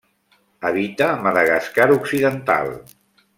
Habita Madagascar occidental.